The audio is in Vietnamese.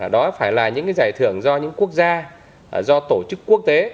đó phải là những giải thưởng do những quốc gia do tổ chức quốc tế